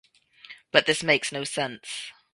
But this makes no sense.